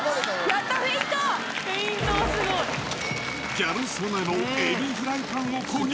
ギャル曽根のエビフライパンを購入。